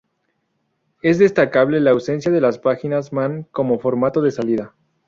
Es destacable la ausencia de las páginas man como formato de salida.